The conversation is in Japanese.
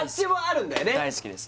大好きです